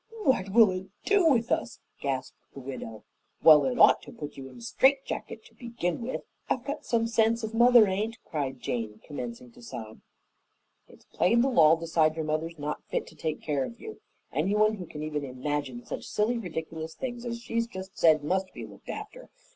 "What will it do with us?" gasped the widow. "Well, it ought to put you in strait jackets to begin with " "I've got some sense if mother aint!" cried Jane, commencing to sob. "It's plain the law'll decide your mother's not fit to take care of you. Anyone who can even imagine such silly ridiculous things as she's just said must be looked after.